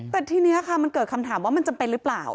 แต่ทีนี้ค่ะมันเกิดคำถามว่ามันจำเป็นหรือเปล่า